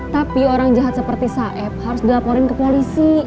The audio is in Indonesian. tapi orang jahat seperti saib harus dilaporin ke polisi